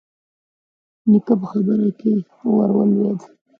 نيکه په خبره کې ور ولوېد: